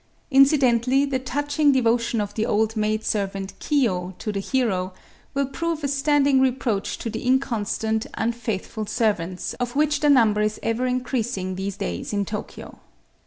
Incidently the touching devotion of the old maid servant Kiyo to the hero will prove a standing reproach to the inconstant, unfaithful servants of which the number is ever increasing these days in Tokyo.